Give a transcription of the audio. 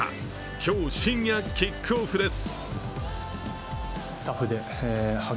今日深夜、キックオフです。